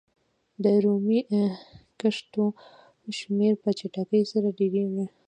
د رومي کښتیو شمېر په چټکۍ سره ډېرېږي.